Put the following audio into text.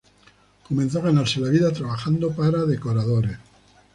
Comenzó a ganarse la vida trabajando para decoradores.